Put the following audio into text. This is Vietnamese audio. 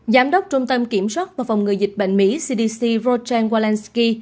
giám đốc trung tâm kiểm soát và phòng ngừa dịch bệnh mỹ cdc rodan walensky